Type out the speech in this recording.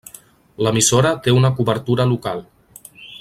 L'emissora té una cobertura local.